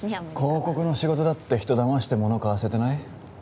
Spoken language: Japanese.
広告の仕事だって人だましてもの買わせてない？